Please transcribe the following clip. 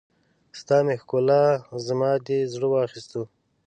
ستا مې ښکلا، زما دې زړه واخيستو